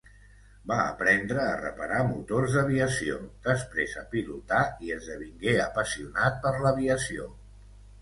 Va aprendre a reparar motors d'aviació, després a pilotar, i esdevingué apassionat per l'aviació.